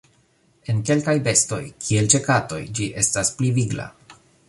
En kelkaj bestoj, kiel ĉe katoj ĝi estas pli vigla.